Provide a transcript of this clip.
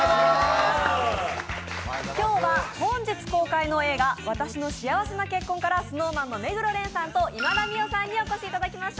今日は本日公開の映画「わたしの幸せな結婚」からＳｎｏｗＭａｎの目黒蓮さんと今田美桜さんにお越しいただきました。